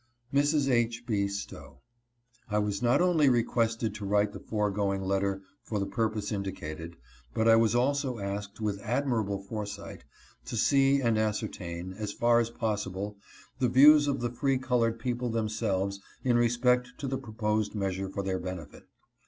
Mrs. H. B. Stowe. I was not only requested to write the foregoing letter for the purpose indicated, but I was also asked, with ad mirable foresight, to see and ascertain, as far as possible, the views of the free colored people themselves in respect to the proposed measure for their benefit.